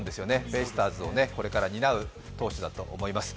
ベイスターズをこれから担う投手だと思います。